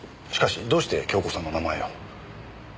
しかしどうして京子さんの名前を？